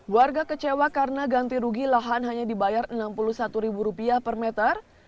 warga kecewa karena ganti rugi lahan hanya dibayar rp enam puluh satu per meter